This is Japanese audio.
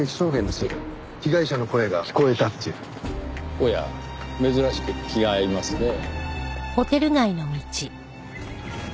おや珍しく気が合いますねぇ。